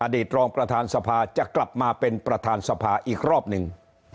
ตรองประธานสภาจะกลับมาเป็นประธานสภาอีกรอบหนึ่ง